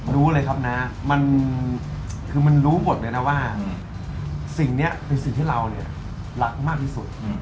รู้เลยครับนะมันคือมันรู้หมดเลยนะว่าสิ่งนี้เป็นสิ่งที่เราเนี่ยรักมากที่สุด